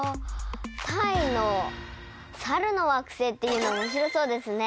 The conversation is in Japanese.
タイの「猿の惑星」っていうの面白そうですね。